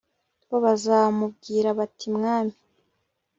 bo bazamubwira bati Mwami